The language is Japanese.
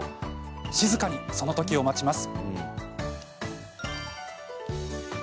静かに、そのときを待ちます。